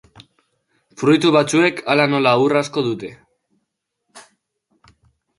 Fruitu batzuek, hala nola ur asko dute.